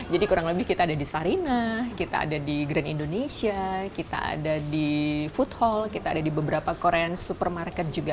jadi kurang lebih kita ada di sarina kita ada di grand indonesia kita ada di food hall kita ada di beberapa korean supermarket juga